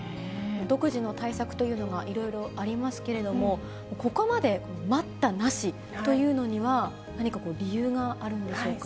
独自の対策というのがいろいろありますけれども、ここまで待ったなしというのには、何か理由があるんでしょうか。